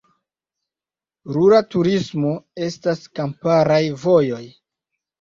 Rura turismo: estas kamparaj vojoj.